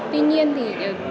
tuy nhiên thì